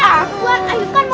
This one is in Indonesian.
aku kan mau beli baju